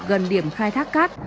gần điểm khai thác cát